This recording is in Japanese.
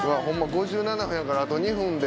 ５７分やからあと２分で。